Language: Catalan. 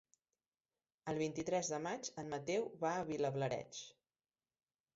El vint-i-tres de maig en Mateu va a Vilablareix.